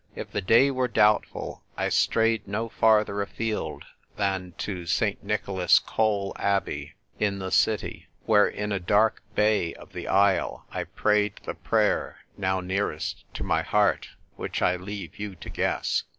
If the day were doubtful, I strayed no farther afield than to St. Nicholas Cole Abbey, in the City, where in a dark bay of the aisle I prayed the prayer now nearest to my heart, which I leave you to guess.